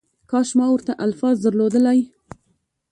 کاش ما ورته الفاظ درلودلای